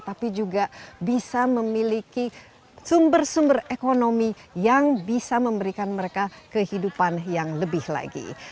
tapi juga bisa memiliki sumber sumber ekonomi yang bisa memberikan mereka kehidupan yang lebih lagi